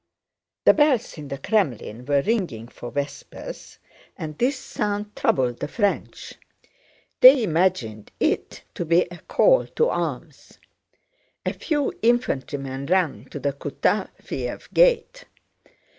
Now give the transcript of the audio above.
The bells in the Krémlin were ringing for vespers, and this sound troubled the French. They imagined it to be a call to arms. A few infantrymen ran to the Kutáfyev Gate.